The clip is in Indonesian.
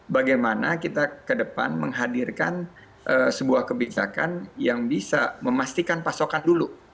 bagaimana kita ke depan menghadirkan sebuah kebijakan yang bisa memastikan pasokan dulu